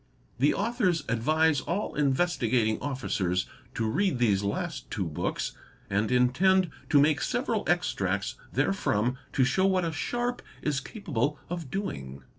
The authors advise all Investigating Officers to read these last two books and intend to make several extracts therefrom to show what a sharp is capable of doing.